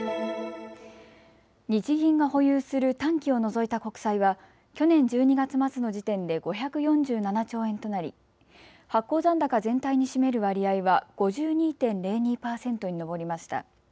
日銀が保有する短期を除いた国債は去年１２月末の時点で５４７兆円となり発行残高全体に占める割合は５２．０２％に上りました。